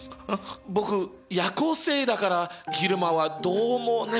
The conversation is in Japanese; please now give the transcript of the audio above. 僕夜行性だから昼間はどうも眠くて。